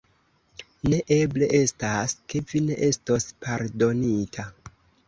Ne eble estas, ke vi ne estos pardonita.